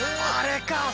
あれか。